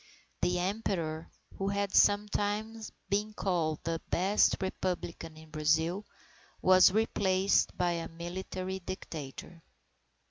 The Emperor, who had sometimes been called the best Republican in Brazil, was replaced by a military dictator.